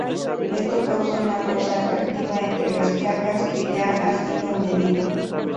Esto causa una fuerza atractiva entre las placas, que ya ha sido medida.